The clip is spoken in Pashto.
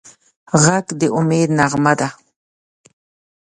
غږ د امید نغمه ده